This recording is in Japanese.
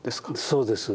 そうです。